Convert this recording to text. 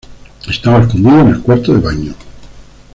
Estaba escondido en el cuarto de baño.